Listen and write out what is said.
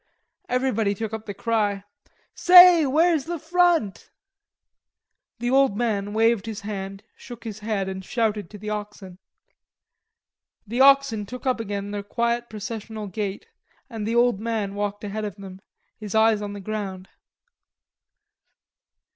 Everybody took up the cry; "Say, where's the front?" The old man waved his hand, shook his head and shouted to the oxen. The oxen took up again their quiet processional gait and the old man walked ahead of them, his eyes on the ground.